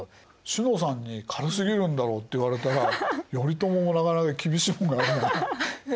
詩乃さんに軽すぎるんだろって言われたら頼朝もなかなか厳しいものがあるね。